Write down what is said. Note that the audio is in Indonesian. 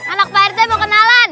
anak prt mau kenalan